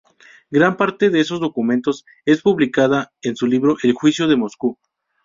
Gran parte de esos documentos es publicada en su libro "El juicio de Moscú".